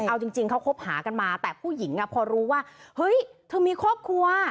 เอาจริงเขาคบหากันมาแต่ผู้หญิงพอรู้ว่าเฮ้ยเธอมีครอบครัว